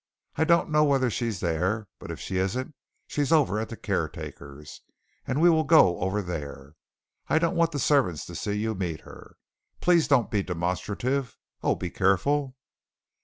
I don't know whether she's there, but if she isn't, she's over at the caretaker's, and we'll go over there. I don't want the servants to see you meet her. Please don't be demonstrative. Oh, be careful!"